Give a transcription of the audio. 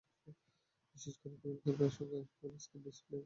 বিশেষ করে ডুয়েল ক্যামেরার সঙ্গে ফুল স্ক্রিন ডিসপ্লের স্মার্টফোনটি সবার পছন্দ হবে।